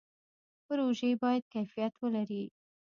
پروژې باید کیفیت ولري